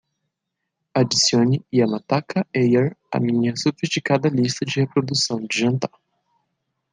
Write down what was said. adicione o Yamataka Eye à minha sofisticada lista de reprodução de jantar